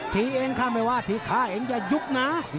ถี่เองค่ะไม่ว่าถี่ค่าเองจะยุบนะ